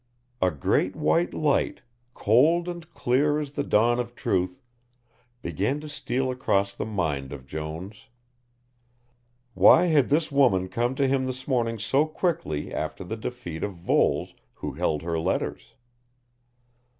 A great white light, cold and clear as the dawn of Truth, began to steal across the mind of Jones. Why had this woman come to him this morning so quickly after the defeat of Voles who held her letters?